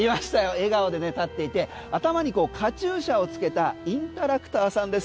笑顔で立っていて頭にカチューシャをつけたインタラクターさんです。